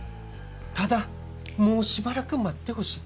ただもうしばらく待ってほしい。